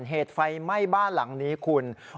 เหตุไฟไหม้บ้านหลังนี้คุณ